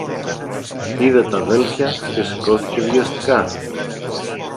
Είδε τ' αδέλφια και σηκώθηκε βιαστικά